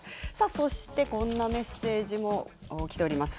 そしてこんなメッセージがきています。